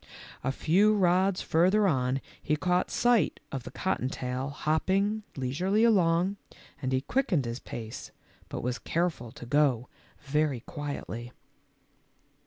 A few rods further on he caught sight of the cotton tail hopping leisurely along, and he quickened his pace, but was careful to go very quietly.